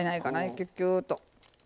キュッキューッと。